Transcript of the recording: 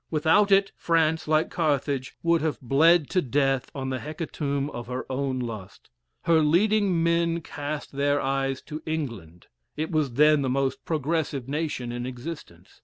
Without it, France, like Carthage, would have bled to death on the hecatomb of her own lust. Her leading men cast their eyes to England; it was then the most progressive nation in existence.